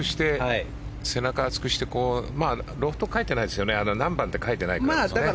背中を厚くしてロフトは書いてないですよね何番って書いてないから。